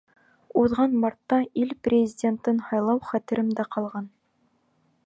Уҙған мартта ил Президентын һайлау хәтеремдә ҡалған.